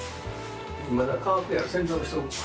まだ乾くやろ洗濯しとこか。